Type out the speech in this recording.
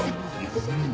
うん。